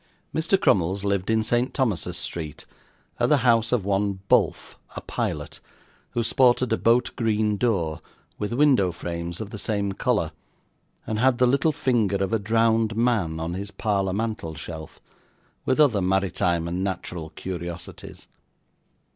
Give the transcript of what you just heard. Mr. Crummles lived in St Thomas's Street, at the house of one Bulph, a pilot, who sported a boat green door, with window frames of the same colour, and had the little finger of a drowned man on his parlour mantelshelf, with other maritime and natural curiosities.